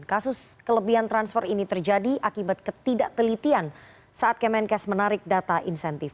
kasus kelebihan transfer ini terjadi akibat ketidakpelitian saat kemenkes menarik data insentif